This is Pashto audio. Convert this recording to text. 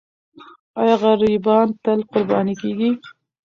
آیا غریبان تل قرباني کېږي؟